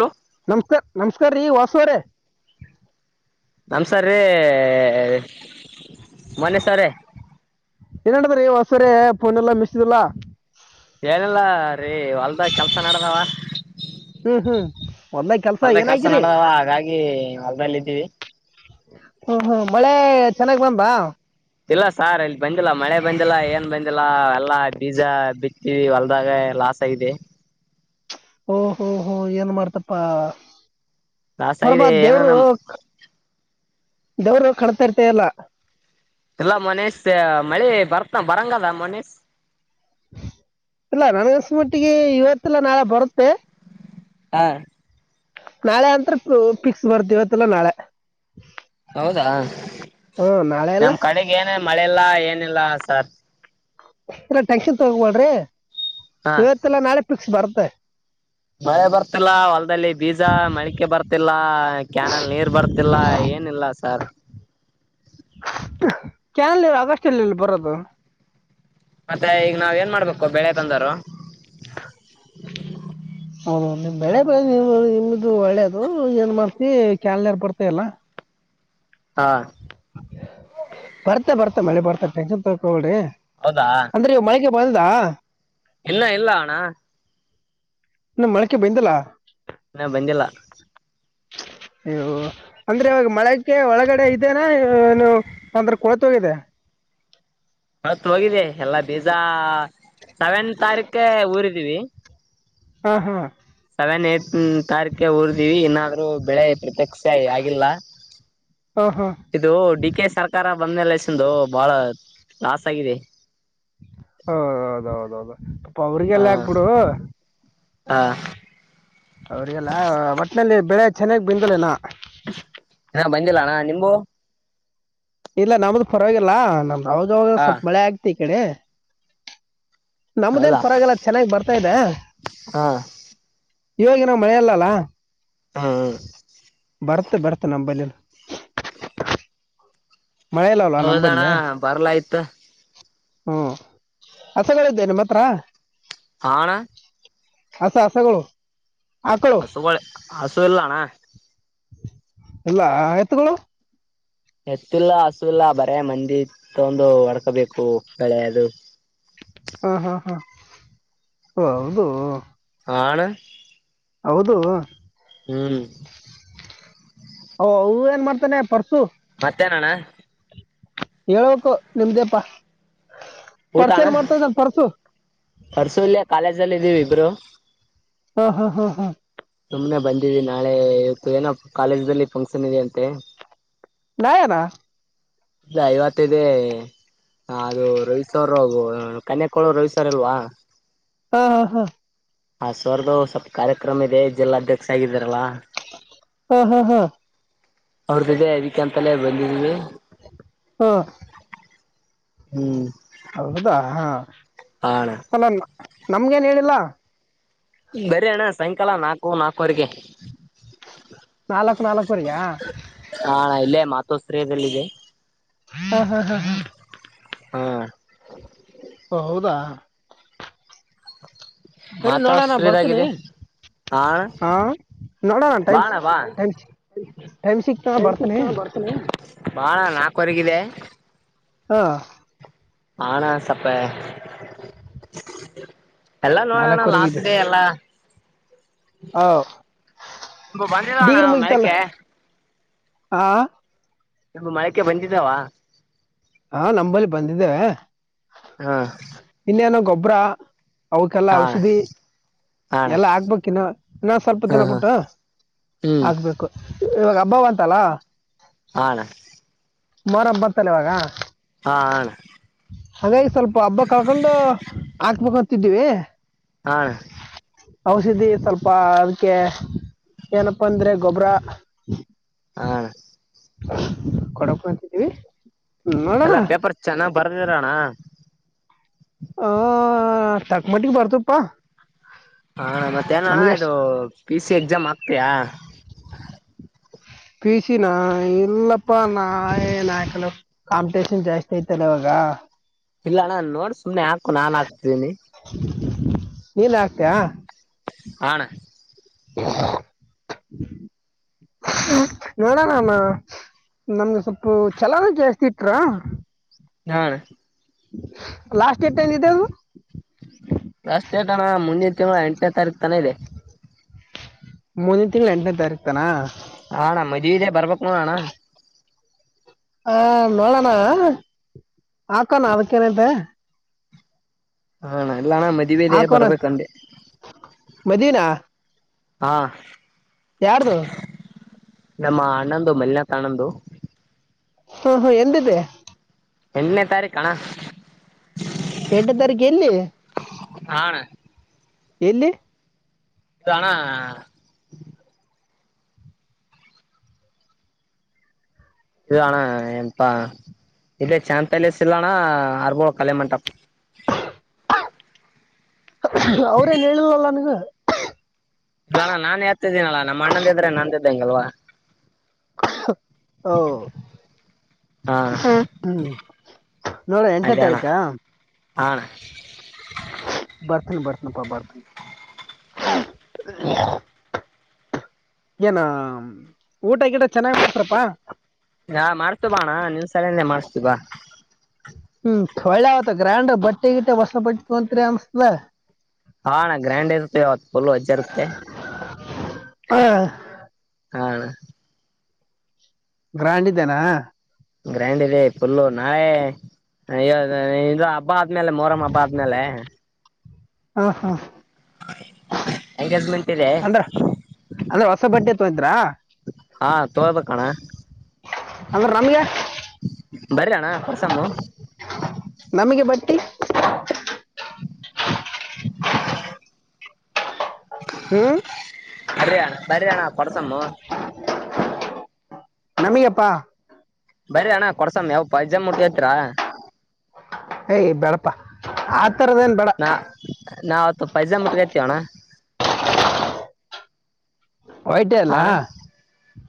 Hello ನಮ್ಸ್ ನಮಸ್ಕಾರ ರೀ ವಾಸುವರೆ. ನಮಸ್ಕರಿ ಮೊನೇಶ ಅವ್ರೆ. ಎನ್ ನಡದದ್ರಿ ವಾಸು ಅವ್ರೆ ಫೋನ್ ಇಲ್ಲಾ ಮೆಸೇಜ್ ಇಲ್ಲ. ಏನಿಲ್ಲ ರಿ ಹೊಲ್ದಗ ಕೆಲ್ಸ ನಡದಾವ. ಹ್ಮ್ ಹ್ಮ್ ಹೊಲ್ದಾಗ ಕೆಲಸ ಹೊಲ್ದಗ ಕಸ ಏನಾಗಿರಿ ನಡದಾವ ಹಾಗಾಗಿ ಹೊಲ್ದಲ್ಲ ಇದ್ದೀವಿ. [unintelligible] ಹ್ಮ ಹ್ಮ್ ಮಳೆ ಚೆನ್ನಾಗ್ ಬಂದ. ಇಲ್ಲ ಸಾರ್ ಇಲ್ಲ ಬಂದಿಲ್ಲ ಮಳೆ ಬಂದಿಲ್ಲ ಏನ್ ಬಂದಿಲ್ಲ ಎಲ್ಲಾ ಬೀಜ ಬಿ ತಿ ಹೊಲ್ದಾಗ ಲಾಸ್ ಆಗಿದೆ. ಓ ಹೋ ಹೋ ಏನ್ ಮಾಡ್ತಪ್ಪಾ. ಲಾಸ್ ಆಗಿದೆ ಪರಬತ್ ಏನ ದೇವ್ರು ನಮ್ ಕ ದೇವ್ರು ಕಣ್ಣ್ ತೆಗೀತಾ ಇಲ್ಲ. ಇಲ್ಲ ಮೋನೀಶ್ ಮಳಿ ಬರ್ತನ ಬರಂಗದ ಮೋನೀಶ್. ಇಲ್ಲ ನನ್ಗಸಮಟ್ಟಿಗಿ ಇವತ್ತಿಲ್ಲ ನಾಳೆ ಬರುತ್ತೆ. ಹಾ ನಾಳೆ ಅಂತ್ರ ಪು ಫಿಕ್ಸ್ ಬರ್ತಿ ಇವತ್ತಿಲ್ಲ ನಾಳೆ. ಹೌದಾ ಹ್ಮ್ ನಾಳೆ ಎಲ್ಲ ನಮ್ ಕಡಿಗಿ ಏನ ಮಳೆಲ್ಲ ಏನಿಲ್ಲಾ ಸರ್. ಟೆನ್ಷನ್ ತೊಗಬ್ಯಾಡ್ರಿ ಹಾ ಇವತ್ತಿಲ್ಲ ನಾಳೆ ಫಿಕ್ಸ್ ಬರತ್ತ. ಮಳೆ ಬರ್ತಿಲ್ಲ ಹೊಲದಲ್ಲಿ ಬೀಜ ಮಳಿಕೆ ಬರ್ತಿಲ್ಲ ಕ್ಯಾನಲ್ ನೀರ್ ಬರ್ತಿಲ್ಲ ಏ ಏನಿಲ್ಲ ಸಾರ್. ಕ್ಯಾನಲ್ ನೀರ್ ಆಗಸ್ಟ್ ಅಲ್ಲಿಲ್ಲಿ ಬರದು. ಮತ್ತೆ ಈಗ ನಾವ್ ಏನ್ ಮಾಡ್ಬೇಕ. ಕೊ ಬೆಳೆ ತಂದರೋ ಹೌದು ನಿಮ್ ಬೆಳೆ ನೀವು ನಿಮ್ದು ಒಳ್ಳೇದು ಏನ್ ಮಾಡ್ತಿ ಕ್ಯಾಲಯಾರ್ ಬರ್ತ ಇಲ್ಲ. ಹಾ ಮತ್ತೆ ಬರ್ತ ಮಳೆ ಬರ್ತ ಟೆನ್ಷನ್ ತೋಕ್ ಹೊಬ್ಯಾಡ್ರಿ ಹೌದಾ ಅಂದ್ರ ಈಗ ಮಳಿಕಿ ಬಂದಾ. ಹಿನ್ನ ಇಲ್ಲ ಅಣ್ಣ. ಹಿನ ಮಳಕೆ ಬಂದಿಲ್ಲ. ಹಿನಾ ಬಂದಿಲ್ಲ. ಅಯ್ಯೋ ಅಂದ್ರೆ ಇವಾಗ ಮಳಕ್ಕೆ ಒಳಗಡೆ ಇದೆನಾ ಏನು ಅಂದ್ರ ಕೊಳತೋಗಿದೆ. ಕೊಳತ ಹೋಗಿದೆ ಎಲ್ಲ ಬೀಜ ಸೆವೆನ್ ತಾರೀಖೆ ಊರಿದೀವಿ. ಹ್ ಹಾ ಸೆವೆನ್ ಎಟ್ ನ ತಾರಿಕೆ ಉರಿದೀವಿ ಇನ್ನಾದ್ರೂ ಬೆಳೆ ಪ್ರತ್ಯಕ್ಷ ಆಗಿಲ್ಲ. ಹಾ ಹಾ ಇದು ಡಿ ಕೆ ಸರ್ಕಾರ ಬಂದ್ಮೇಲೆ ಸಂದು ಬಾಳ ಲಾಸ್ ಆಗಿದೆ. ಹೌದೌದೌದೌದು ಹಾ ಪವ್ರಿಗೆಲ್ಲ ಹಾಕ್ಬಿಡು. ಹಾ. ಅವ್ರಿಗೆಲ್ಲ ಒಟ್ಟಿನಲ್ಲಿ ಬೆಳೆ ಚೆನ್ನಾಗಿ ಬಂದಲೆನ. ಹ ಬಂದಿಲ್ಲಣ್ಣ ನಿಂಬು. ಇಲ್ಲ ನಮ್ದು ಪರವಾಗಿಲ್ಲಾ ನಮಗ ಆವಾಗ ಅವಾಗ ಹಾ ಸ್ವಲ್ಪ ಮಳೆ ಆಗ್ತಿ ಈ ಕಡೆ. ನಮ್ದೇನ್ ಹೌದಾ ಪರವಾಗಿಲ್ಲ ಚೆನ್ನಾಗಿ ಬರ್ತಾ ಇದೆ. ಹಾ. ಇವಾಗನ್ ಮಳೆ ಇಲ್ಲಲ್ಲ. ಹಾ ಹಾ. ಬರ್ತ ಬರ್ತೆ ನಮ್ಮಂಬಲ್ಲಿನು. ಮಳೆ ಇಲ್ವಲ್ಲಾ ಹೌದಣ್ಣ ನಂಬಲ್ಲಿ. ಬರ್ಲಾಯ್ತು ಹ್ಮ ಹಸುಗಳಿದಿಯ ನಿಮ್ಮ ಹತ್ರ. ಹಾ ಅಣ್ಣ ಹಸ ಹಸಗಳು. ಆಕಳು ಹಸುಗಳೆ ಹಸು ಇಲ್ಲಣ್ಣ. ಇಲ್ಲ ಎತ್ಗಳು. ಎತ್ತಿಲ್ಲ ಹಸು ಇಲ್ಲ ಬರೇ ಮಂದಿ ತಗೊಂಡು ಹೊಡ್ಕೋಬೇಕು ಬೆಳೆ ಅದು. [inaudible] ಹಾ ಹಾ ಹಾ ಹೌದು. ಅಣ. ಹೌದು. ಹ್ಮ್. ಅ ಅವು ಏನ್ ಮಾಡ್ತಾನೆ ಪರ್ಸು. ಮತ್ತೇನಣ್ಣ. ಹೇಳ್ಬೇಕು ನಿಮ್ದೇಪ್ಪ ಊಟ ಪರ್ಸ ಅಣ್ಣ ಏನ್ ಮಾಡ್ತದನ ಪರ್ಸು. ಪರ್ಸು ಇಲ್ಲೇ ಕಾಲೇಜ್ಲ್ಲಿ ಇದೀವಿ ಇಬ್ರು ಹಾ ಹಾ ಹಾ ಹಾ ಸುಮ್ನೆ ಬಂದಿ. ವಿ ನಾಳೆ ಇವತ್ತು ಏನೋ ಕಾಲೇಜ್ಲ್ಲಿ ಫಂಕ್ಷನ್ ಇದೆ ಅಂತೆ. ನಾಳೆ ನಾ. ಇಲ್ಲ ಇವತ್ತಿದೇ. ಹ ಅದು ರವಿ ಸರ್ ಕನ್ಯಕೋಳ ರವಿ ಸರ್ ಇಲ್ವಾ. ಹಾ ಹಾ ಹಾ. ಹ ಸರ್ ದು ಸ್ವಲ್ಪ ಕಾರ್ಯಕ್ರಮ ಇದೆ ಜಿಲ್ಲಾಧ್ಯಕ್ಷ ಆಗಿದ್ದಾರಲ್ಲಾ. ಹಾ ಹಾ ಹಾ. ಅವ್ರದ್ದ ಇದೇ ಅದಕ್ಕೆ ಅಂತಲೇ ಬಂದಿದೀವಿ. ಹಾ. ಹ್ಮ್. ಹೌದಾ ಹಾ ಹಾ ಅಣ್ಣ ಅಲ ನಮ್ಗೇನ್ ಹೇಳಿಲ್ಲ. ಬರಿ ಅಣ್ಣ ಸಾಯಂಕಾಲ ನಾಲ್ಕು ನಾಕು. ವರಿಗೆ ನಾಲ್ಕು ನಾಲ್ಕುವರೆಗಾ ಅಣ ಇಲ್ಲೇ. ಮಾತಾಶ್ರಯದಲ್ಲಿ ಇದೆ. ಹಾ ಹಾ ಹಾ ಹಾ. ಹಾ. ಓ ಹೌದಾ. ಸರಿ ನೋಡೋಣ ಬರ್ತೀನಿ ಮಾತಾಶ್ರೀದಾಗಿದೆ ಹಾ. ನೋಡೋಣ ಬಾ ಟೈಮ್ ಅಣ ಬಾ. ಟೈಮ್ ಟೈಮ್ ಸಿಕ್ತ ಬರ್ತೀನಿ [inaudible] ಬಾ ಅಣ ನಾಲ್ಕವರೆಗಿದೆ. ಹಾ. ಆಣಾ ಸಪ್ಪ. ಎಲ್ಲಾ ನೋಡೋಣ ನಾಲ್ಕುವರೆಗೆ ಲಾಸ್ಟ್ ಡೇ ಎಲ್ಲಾ. ಹ ನಿಂಬು ಬಂದಿದಾವಣ ಡಿಗ್ರಿ ಮುಗಿತಲ್ಲ. ಮಳಕೆ ಆ ನಿ ಮಳಕ್ಕೆ ಬಂದಿದ್ದಾವ ಹಾ ನಂಬಲ್ಲಿ ಬಂದಿದ್ದೇವೆ ಹಾ ಇನ್ನೇನೋ ಗೊಬ್ಬ್ರ ಅವಕಲ್ಲ ಹಾ ಔಷಧಿ ಹಣ ಎಲ್ಲ ಆಗ್ಬೇಕ ಇನ್ನ ನಾ ಸ್ವಲ್ಪ ಹಾ ದಿನ ಹಾ ಬಿುಟ್ಟ ಹ್ಮ್ ಆಗ್ಬೇಕು ಇವಾಗ ಹಬ್ಬ ಅಂತಲ್ಲ ಹಣ ಸುಮಾರು ಹಂಬತ್ತಲ್ಲಿ ಇವಾಗ ಹಾ ಹಣ ಹಾಗಾಗಿ ಸ್ವಲ್ಪ ಹಬ್ಬ ಕಾಕೊಂಡು ಹಾಕ್ಬೇಕ ಅಂತಿದ್ದೀವಿ ಹಣ ಔಷಧಿ ಸ್ವಲ್ಪ ಅದಕ್ಕೆ ಏನಪ್ಪಾ ಅಂದ್ರೆ ಗೊಬ್ಬರ ಹಾ ಕೊಡ ಕುಂತಿದ್ದೀವಿ ಎಲ್ಲಾ ಪೇಪರ್ ಚೆನ್ನಾಗ್ ಬರ್ದಿರಣ್ಣ ಹ ಚಕ್ಮಟ್ಟಿಗೆ ಬರ್ತಪ್ಪಾ ಹ ಮತ್ತೆ ನ ಅಣ್ಣ ನಮ್ಗೆ ಎಷ್ಟ್ ಇದು ಪಿ ಸಿ ಎಕ್ಸಾಮ್ ಆಗ್ತಯಾ ಪೀಸಿನ್ ಇಲ್ಲಪ್ಪ ನಾಯ್ ನಾಯಕ ಕಾಂಪಿಟೇಷನ್ ಜಾಸ್ತಿ ಐತಲ್ಲ ಅವವಾಗ ಇಲ್ಲಣ್ಣನ್ ನೋಡ್ ಸುಮ್ನೆ ಹಾಕು ನಾನ್ ಹಾಕ್ತಿದೀನಿ ನೀನ್ ಆಗ್ತಯಾ ಹಣ ಗಡ ನಾಮ ನಮ್ಗೆ ಸ್ವಲ್ಪ ಚಲ ಜಾಸ್ತಿ ಇಟ್ರಾ ಹಾ ಲಾಸ್ಟ್ ಡೇಟ್ ಏಂದಿದೆೇ ಅದು ಅಷ್ಟೇಟಣ ಮುಂದೆ ತಿಂಗಳು ಎಂಟನೇ ತಾರೀಕು ತನ ಇದೆ ಮುಂದಿನ ತಿಂಗಳು ಎಂಟನೇ ತಾರೀಕು ತಾನ ಹಣ್ಣ ಮದ್ದೆ ಬರ್ಬೇಕಕ್ ನ ಅಣ್ಣ ಹ ನೋಡಣ ಹಾಕಣ ಅದಕ್ಕೇಏನಂತೆ ಹಣ ಎಲ್ಲಣ ಮದ ಮೇದ ಹಾಕೋಣ ಬರ್ಬೇಕಂತೆೆ ಮದುವೆನಾ ಹಾ ಯಾರದು ನಮ್ಮ ಆನಂದ ಮಲ್ಲಿನಾತ ಆನಂದ ಹಾ ಹಾ ಎಂದಿದೆ ಎಂಟನೇ ತಾರೀಕಣ್ಣ ಎಂಟನೇ ತಾರೀಕ ಎಲ್ಲಿ ಆಡು ಎಲ್ಲಿ ಇಣ ಇ ಆಣ ಏನಪ್ಪಾ ಇದೇ ಚಾಂತೈಲಸ್ ಇಲ್ಲಣ್ಣ ಅರ್ಬಳ ಕಲೆ ಮಂಟಪ ಅವ್ರೇನ್ ಹೇಳಿದಲ್ಲ ನೀಗ ಇಲ್ಲಣ ನಾನ್ ಹೇಳ್ತಿದ್ದೀನಲ್ಲ ನಮ್ಮ ಅಣ್ಣಂದ ಇದ್ರೆ ನಂದಿದ್ದೇಂಗಲ್ವಾ ಹಓ ಹಾ ಹ್ಮ ಹ್ಮ್ ನೋಡೋ ಎಂಟನ ಅದೇ ಅಣ್ಣ ತಾರೀಕಾ ಹಾ ಅಣ್ಣ ಬರ್ತನ್ ಬರ್ತನ್ ನಪ ಬಾರತಿ ಏನ ಊಟ ಗಿಡ ಚೆನ್ನಾಗಿ್ ಮಾಡ್ತಾರಪಾ ನಾ ಮಾಡ್ಸ್ತೀವಿ ಬಾ ಅಣ್ಣ ನಿನ್ ಸಲನೆ ಮಾಡ್ಸ್ತೀವಿ ಬಾ ಹ್ಮ್ ತೊಳ್ಳೆ ಆ ಅವತ್ ಗ್ರ್ಯಾಂಡ್ರ ಬಟ್ಟೆ ಗಿಟ್ಟ ಹೊಸ ಬಟ್ಟಿ ತೊತ್ರಿ ಅನ್ಸ್ದ ಹಾ ಗ್ರ್ಯಾಂಡಪ ಪಲ ಹಜಾರೆ ಹಾ ಗ್ರಾಂಡ್ ಇದ್ದೇನಾ ಗ್ರ್ಯಾಂಡ್ ಇದೆ ಫುಲ್ಲು ನಾವೆ [unintelligible] ಹಬ್ಬಾದ್ಮೇಲೆ ಮೊರಮ ಹಬಾದ ಆದ್ಮೇಲೆ ಹಾ ಹಾ ಎಂಗೇಜ್ಮೆಂಟ್ ಇದೆ ಅಂದ್ರ ಅಂದ್ರೆ ಹೊಸ ಬಟ್ಟೆ ಹೋಗಿದ್ರಾ ಹಾ ತೋಳದ ಕಣ ಅ್ರ ನಮ್ಗೆ ಬರ್ರ ಅಣ್ಣ ಕೊಡ್ಸಮ್ಮ ನಮಗೆ ಬಟ್ಟಿ [inaudible] ಹ್ಮ್ ಬರಿಯಣ್ಣ ಬರೆಯಣ್ಣ ಕೊಡ್ಸೋಮು ನಮಗಪ್ಪಾ ಬರ ಅಣ್ಣ ಕೊಡ್ಸಮ್ಮ ಯಾವ ಪೈಜಮ್ಮ ಮುಟ್ಟ ಹತ್ರರ ಏಯ್ ಬೇಡಪ್ಪ ಆ ತರದೇನ್ ಬೇಡ ನಾವತ್ತು ಪೈಜಾ ಮುಟ್ಕತವಣ್ಣ ವೈಟೇ ಅಲ್ಲ ಹಣ್ಣ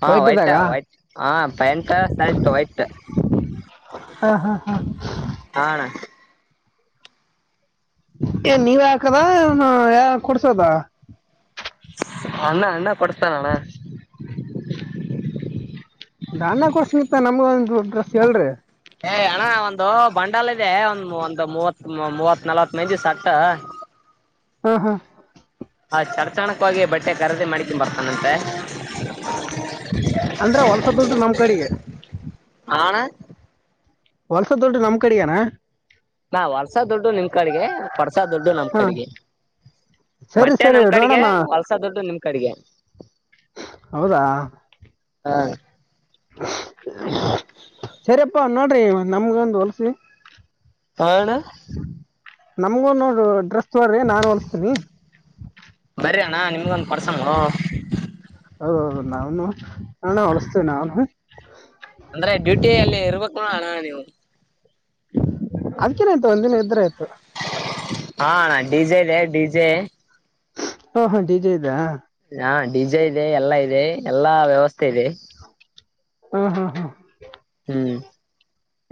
ಹಾ ವೈಟ್ ವೈಟಿದಾಗ ವೈಟ್ ಹ ಪಯಂತ ಸತ ವೈಟ್ [inaudible] ಹಾ ಹಾ ಹಾ ಹಾ ಅಣ್ಣ ಏ ನೀವ ಹಾಕದ ಏ ಯ ಕೊಡ್ಸದ ಅ್ಣ ಅಣ್ಣ ಕೊಡಸ್ತಣ್ಣ ದನ್ ಕೊಡ್ಸ ಮಿತ್ತ ನಮ್ಗ ಒಂದ ದೊಡ್ಡ್ರಸ್ ಹೇಳ್ರಿ ಏ ಅಣ್ಣ ಒಂದು ಬಂಡಲ್ ಇದೆ ಒಂದ್ ಒಂದ್ ಮೂವತ್ ಮೂವತ್ ನಲ್ವತ್ ಮೈಂದಿ ಸಟ್ ಹಾ ಹಾ ಚಾರ್ಚಣಕ್ವಾಗಿ ಬಟ್ಟೆ ಖರೆದಿ ಮಾಡಿಕಕಿಂಬ ಏನಂತೆ ಅಂದ್ರ ಹೊಲ್ಸ ದುಡ್ಡು ನಮ್ ಕಡೆಗೆ ಹಣ ವಲ್ಸ ದೊಡ್ಡ ನಮ್ ಕಡೆಯಾನ ನಾ ವರ್ಸ ದುಡ್ಡು ನಿಮ್ ಕಡೆಗೆ ಕೊರ್ಸ ದುಡ್ಡು ನಮ್ ಹಾ ಕಡೆಗೆ ಸರಿ ಬಟ್ಟೆ ಸರಿ ನಮ್ ಕಡೆಗೆ ನೋಡೋಣ ಹೊಲ್ಸ ದುಡ್ಡು ನಿಮ್ ಕಡೆಗೆ ಹೌದಾ ಹ ಸರಿಪ್ಪಾ ನೋಡ್ರಿ ನಮಗ ಒಂದ ಹೋಲ್ಸಿ ಹಣ್ಣ ನಮ್ಗು ನೋ ಡ್ರೆಸ್ ನೋಡ್ರಿ ನಾನು ಹೋಲ್ಸ್ತೀನಿ ಬರ್ರಿ ಅಣ್ಣ ನಿಮ್ಗೊಂದ್ ಕೊಡ್ಸಮ ಹೌದೌದು ನಾ ನ ಹೊಳಸ್ತೇ ನಾನು ಅಂದ್ರೆ ಡ್ಯೂಟಿ ಅಲ್ಲಿ ಇರ್ಬೇಕು ಅಣ ನೀವು ಅದ್ಕೇನಾಯ್ತು ಒಂದಿನ ಇದ್ರೆ ಆಯ್ತು ಹಾ ನಾ ಡಿಜೆಇದೆ ಡಿಜೆ ಹಓ ಹ ಡಜೆ ಇದ್ದಾ ಹಾ ಡಿಜೆ ಇದೆ ಎಲ್ಲಾ ಇದೆ ಎಲ್ಲಾ ವ್ಯವಸ್ಥೆ ಇದೆ ಹ್ಮ್ ಹ್ಮ್ ಹ್ಮ್ ಹ್ಮ್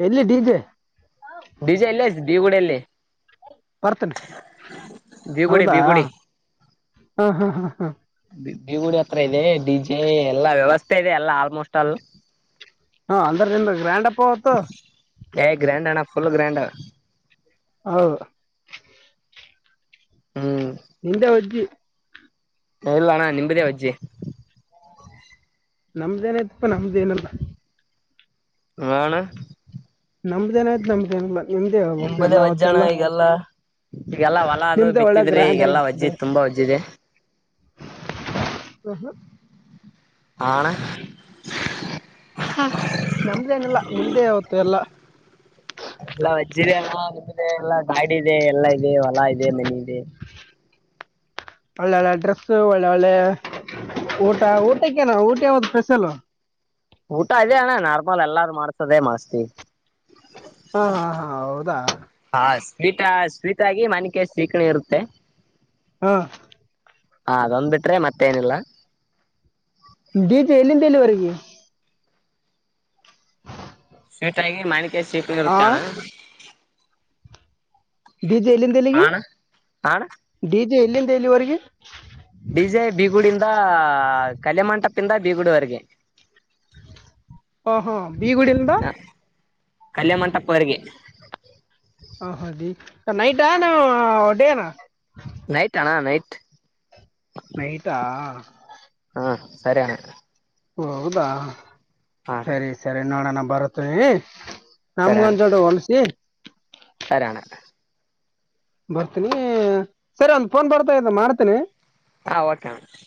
ಎಲ್ಲಿ ಡಿಜೆ ಡಿಜೆ ಇಲ್ಲೇ ಬೀಗುಡಿಯಲ್ಲಿ ಬರ್ತನನೆ ಬೀಗುಡಿ ಹೌದಾ ಬೀಗುಡಿ ಹಾ ಹಾ ಹಾ ಗುಡಿ ಹತ್ರ ಇದೆ ಡಿಜೆ ಎಲ್ಲಾ ವ್ಯವಸ್ಥೆ ಇದೆ ಎಲ್ಲ ಆಲ್ಮೋಸ್ಟ್ ಅಲ್ ಹಾ ಅಂದ್ರ ನಿಮ ಗ್ರ್ಯಾಂಡ್ ಅಪ್ಪ ಅವತ್ತು ಏ ಗ್ರ್ಯಾಂಡ್ ಅಣ್ಣ ಫುಲ್ ಗ್ರ್ಯಾಂಡ ಹೌದು ಹ್ಮ್ ನಿಮ್ದ ಓ ಅಜ್ಜಿ. ಇಲ್ಲ ಅಣ್ಣ ನಿಂಬದೇ ಓ ಅಜ್ಜಿ. ನಮ್ದ ಏನ್ ಅಯ್ತಪ್ಪಾ ನಮ್ದೇಏನಲ್ಲ? ಆ ಅಣ್ಣ? ನಮ್ದ ಏನ್ ಅಯ್ತ ನಮ್ದೇಏನಲ್ಲ? ನಿಂಬುದೇ ವಜ್ಜ ಅಣ್ಣ ಈಗೆಲ್ಲಾ? ಈಗೆಲ್ಲಾ ಹೊಲ ಅದು ನಿಮ್ದೇ ಒಳ್ಳೆ ಬಿತ್ತಿದ್ರೆ ಗ್ರ್ಯಾಂಡ್ ಈಗಲ್ಲಾ ಆಗಿರ್ತದೆ ಒಜ್ಜಿದ್ ತುಂಬಾ ಹೊಜ್ಜಿದೆ. [inaudible] [inaudible] ಆ ಅಣ್ಣ? [inaudible] ಹು ನಮ್ದೇನ ಇಲ್ಲ ನಿಮ್ದೇ ಅವತ್ತ ಎಲ್ಲಾ? ಎಲ್ಲಾ ವಜ್ಜದೆ ಅಣ್ಣ ನಿಮ್ಮದೇ ಎಲ್ಲಾ ಗಾಡಿ ಇದೆ ಎಲ್ಲಾ ಇದೆ ಹೊಲ ಇದೆ ಮನೆ ಇದೆ. [inaudible] ಒಳ್ಳೆಳ್ಳೆ ಅಡ್ರೆಸ್ ಒಳ್ಳೆ ಒಳ್ಳೆ ಊಟ ಊಟಕ್ಕೆ ಏನ್ ಊಟ ಅದಕ್ಕೆ ಒಂದು ಸ್ಪೆಷಲು? ಊಟ ಇದೆ ಅಣ್ಣ ನಾರ್ಮಲ್ ಎಲ್ಲಾರು ಮಾಡ್ಸದೇ ಮಾಡಸ್ತಿವಿ. ಹ ಹ ಹ ಹೌದಾ? ಹಾ ಸ್ವೀಟ್ ಸ್ವೀಟ್ ಆಗಿ ಮನೆಕ ಶೀಕರಣೆ ಇರುತ್ತೆ. ಹಾ ಆ ಅದೊಂದ್ ಬಿಟ್ರೆ ಮತ್ತೇ ಏನಿಲ್ಲಾ? ಬೀಜ ಎಲ್ಲಿಂದ ಎಲ್ಲಿ ವರೆಗೆ. ಸೆಟ್ ಆಗಿ ಮಾಣಿಕೆ ಚೀಕ ಆ ಇರುತ್ತ ಅಣ್ಣ? ಡಿಲೀ ಎಲ್ಲಿಂದ ಹಾ ಎಲ್ಲಿಗೆ ಅಣ್ಣ ಹಾ ಅಣ್ಣ ಡಿಲೀ ಎಲ್ಲಿಂದ ಎಲ್ಲಿವರೆಗೆ? ಬೀಜೆ ಬೀಗುಗುಡಿ ಇಂದ ಇತ್ತ ಕಲ್ಯಾಣ ಮಂಟಪದಿಂದ ಬೀಗುಡವರ್ಗೆ. ಹಾಂ ಹಾಂ ಬಿ ಗುಡಿಯಿಂದ ಯಾ ಕಲ್ಯಾಣಮಂಟಪ ವರೆಗೆ. ಸರ್ ನೈಟ್ ಏನ್ ಡೇನಾ? ನೈಟ್ ಅಣ್ಣ ನೈಟ್ ನೈಟಾ ಹಾ ಸರಿ ಅಣ್ಣ. ಓ ಹೌದಾ ಹಾ ಸರಿ ಸರಿ ನೋಡೋಣ ಬರುತ್ತಿವಿ. ನಮ್ಮಗ ಒಂದ್ ಜೋಡ ಹೋಲಿಸಿ, ಹರಾ ಬರ್ತೀನಿ ಸರ್ ಒಂದ ಫೋನ್ ಬರ್ತಾ ಇದ್ದ ಮಾಡ್ತೇನಿ. ಹಾ ಓಕೆ. [inaudible]